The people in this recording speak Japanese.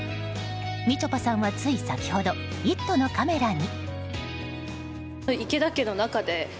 みちょぱさんはつい先ほど「イット！」のカメラに。